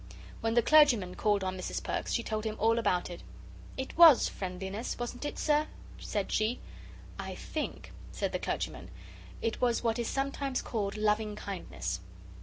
When the clergyman called on Mrs. Perks, she told him all about it. "It WAS friendliness, wasn't it, Sir?" said she. "I think," said the clergyman, "it was what is sometimes called loving kindness."